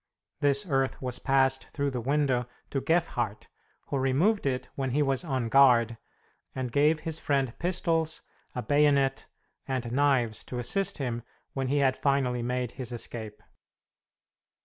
This earth was passed through the window to Gefhardt, who removed it when he was on guard, and gave his friend pistols, a bayonet, and knives to assist him when he had finally made his escape.